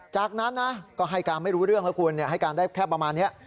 จากนั้นนะก็ให้การไม่รู้เรื่องแล้วคุณให้การได้แค่ประมาณนี้